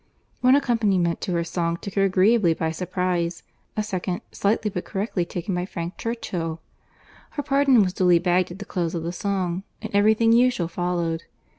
One accompaniment to her song took her agreeably by surprize—a second, slightly but correctly taken by Frank Churchill. Her pardon was duly begged at the close of the song, and every thing usual followed.